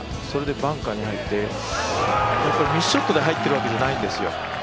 それでバンカーに入ってミスショットで入ってるわけじゃないんですよ